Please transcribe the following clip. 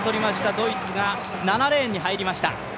ドイツが７レーンに入りました。